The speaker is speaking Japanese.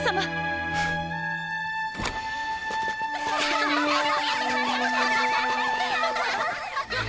ハハハハ。